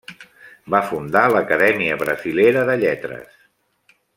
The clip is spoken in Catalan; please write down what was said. Va fundar l'Acadèmia Brasilera de Lletres.